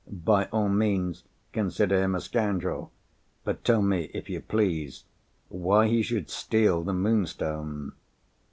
By all means consider him a scoundrel; but tell me, if you please, why he should steal the Moonstone?"